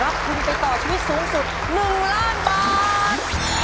ทุนไปต่อชีวิตสูงสุด๑ล้านบาท